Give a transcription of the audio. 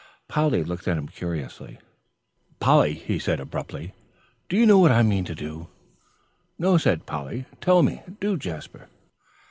Polly looked at him curiously. "Polly," he said abruptly, "do you know what I mean to do?" "No," said Polly; "tell me, do, Jasper."